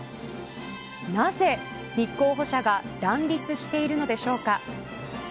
なぜ立候補者が乱立しているのでしょうか。